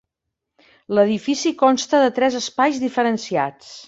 L'edifici consta de tres espais diferenciats.